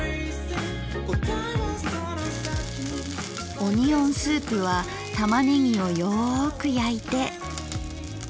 オニオンスープはたまねぎをよく焼いて。